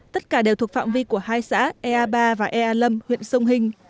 tất cả đều thuộc phạm vi của hai xã ea ba và ea năm huyện sông hinh